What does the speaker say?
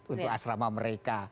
untuk asrama mereka